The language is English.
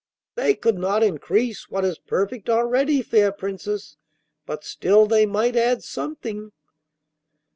'They could not increase what is perfect already, fair Princess, but still they might add something.